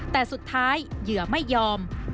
แต่สุดท้ายเหยื่อไม่ยอม